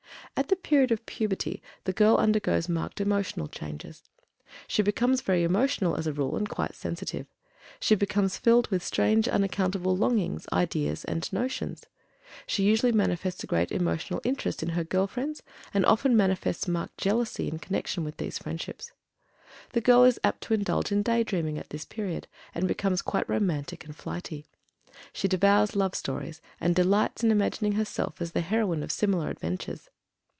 At the period of puberty, the girl undergoes marked emotional changes. She becomes very "emotional" as a rule, and quite "sensitive." She becomes filled with strange, unaccountable longings, ideas, and "notions." She usually manifests a great emotional interest in her girl friends, and often manifests marked jealousy in connection with these friendships. The girl is apt to indulge in day dreaming at this period, and becomes quite romantic and "flighty." She devours love stories, and delights in imagining herself as the heroine of similar adventures.